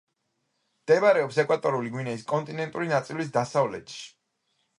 მდებარეობს ეკვატორული გვინეის კონტინენტური ნაწილის დასავლეთში.